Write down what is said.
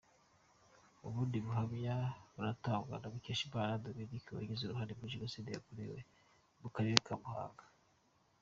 Ubundi buhamya buratangwa na Mukeshimana Dominique, wagize uruhare muri Jenoside mu Karere ka Muhanga.